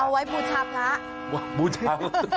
เอาไว้บูชาพระ